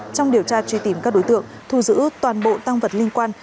trong điều tra truy tìm các đối tượng thu giữ toàn bộ tăng vật liên quan